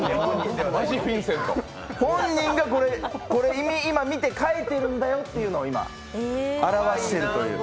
本人が今見て描いてるんだよというのを表しているという。